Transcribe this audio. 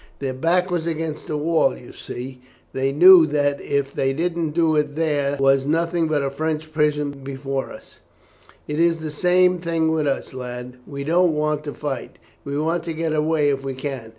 Their back was against a wall. You see, they knew that if they didn't do it there was nothing but a French prison before them. It is the same thing with us, lad; we don't want to fight we want to get away if we can.